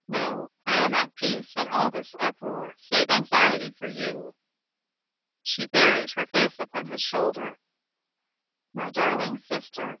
No, I am at peace in all this uproar, save anxiety for you." She buried her face upon his shoulder. "My darling sister!"